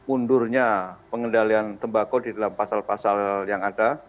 undurnya pengendalian tembako di dalam pasal pasal yang ada